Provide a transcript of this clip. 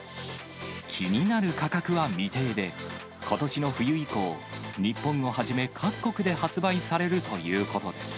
気になる価格は未定で、ことしの冬以降、日本をはじめ各国で発売されるということです。